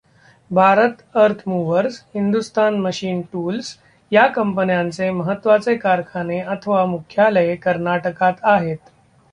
Bharat earth movers, Hindustan machine tools ह्या कंपन्यांचे महत्त्वाचे कारखाने अथवा मुख्यालये कर्नाटकात आहेत.